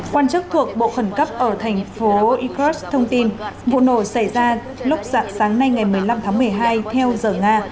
quan chức thuộc bộ khẩn cấp ở thành phố ikrs thông tin vụ nổ xảy ra lúc dạng sáng nay ngày một mươi năm tháng một mươi hai theo giờ nga